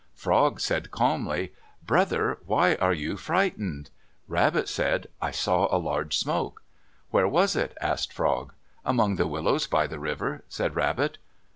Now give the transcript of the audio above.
Frog said calmly, "Brother, why are you frightened?" Rabbit said, "I saw a large smoke." "Where was it?" asked Frog. "Among the willows by the river," said Rabbit.